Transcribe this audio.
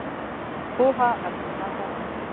پوهه ارزښتناکه ده.